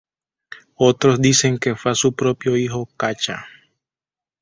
Otros dicen que fue a su propio hijo Cacha.